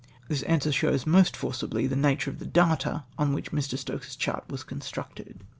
This answer shows most forcibly the nature of the data ou which Mr. Stokes's chart was constructed.